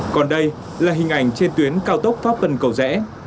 còn đây là hình ảnh trên tuyến cao tốc pháp vân cầu rẽ